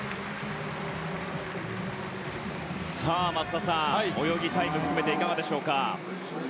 松田さん、泳ぎ、タイム含めていかがでしたか。